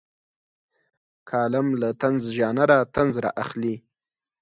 کالم له طنز ژانره طنز رااخلي.